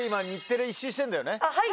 はい！